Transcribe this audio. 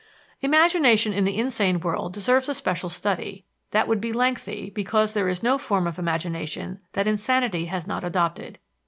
Imagination in the insane would deserve a special study, that would be lengthy, because there is no form of imagination that insanity has not adopted.